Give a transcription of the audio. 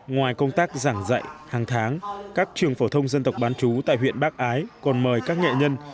ngoài công tác giảng dạy hàng tháng các trường phổ thông dân tộc bán chú tại huyện bắc ái còn mời các nghệ nhân